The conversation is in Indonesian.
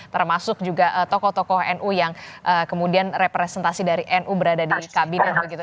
termasuk juga tokoh tokoh nu yang kemudian representasi dari nu berada di kabinet begitu